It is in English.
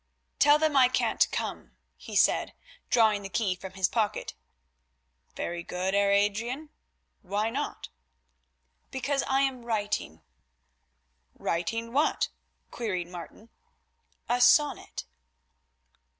"Tell them I can't come," he said, drawing the key from his pocket. "Very good, Heer Adrian, why not?" "Because I am writing." "Writing what?" queried Martin. "A sonnet."